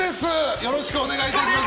よろしくお願いします。